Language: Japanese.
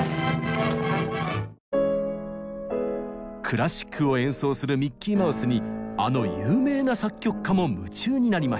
クラシックを演奏するミッキーマウスにあの有名な作曲家も夢中になりました。